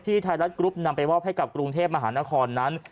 ไทยรัฐกรุ๊ปนำไปมอบให้กับกรุงเทพมหานครนั้น